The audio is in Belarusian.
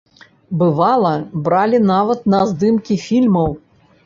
Бывала, бралі нават на здымкі фільмаў.